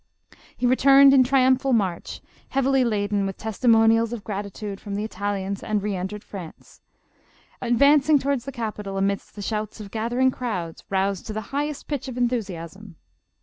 He returned in triumphal march, heavily laden with testi monials of gratitude from the Italians and re entered France, advancing towards the capital amidst the shouts of gathering crowds, roused to the highest pitch of enthusiasm.